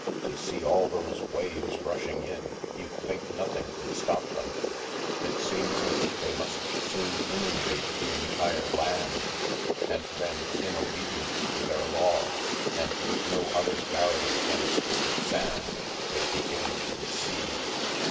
To see all those waves rushing in, you'd think nothing could stop them. It seems as if they 2^2 THE MASK must soon inundate the entire land. And then, in obedience to their law and with no other barrier than a strip of sand, they begin to recede.